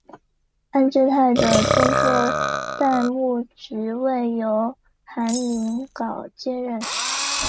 安治泰的宗座代牧职位由韩宁镐接任。